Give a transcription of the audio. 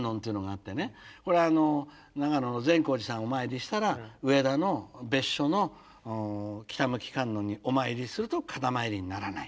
これ長野の善光寺さんをお参りしたら上田の別所の北向観音にお参りすると片参りにならない。